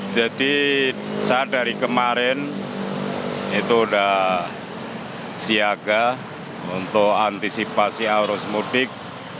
jadi saat dari kemarin itu sudah siaga untuk antisipasi arus mudik